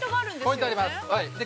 ◆ポイントあります。